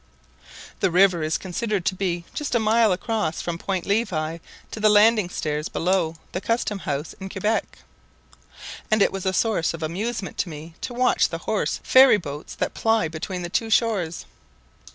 The river is considered to be just a mile across from Point Levi to the landing stairs below the custom house in Quebec; and it was a source of amusement to me to watch the horse ferry boats that ply between the two shores.